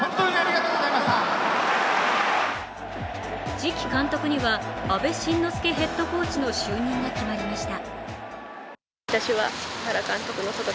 次期監督には阿部慎之助ヘッドコーチの就任が決まりました。